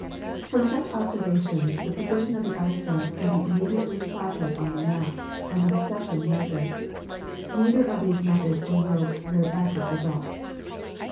From such observation the position of the ice front can be imme diately platted on the map and the recession measureil. Neither of these methods will yield verj' accurate results.